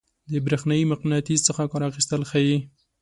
د برېښنايي مقناطیس څخه کار اخیستل ښيي.